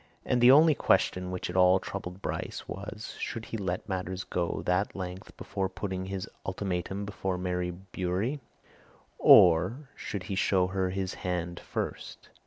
And the only question which at all troubled Bryce was should he let matters go to that length before putting his ultimatum before Mary Bewery, or should he show her his hand first?